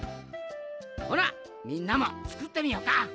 ほなみんなもつくってみよか！